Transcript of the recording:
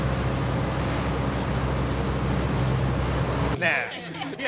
ねえ。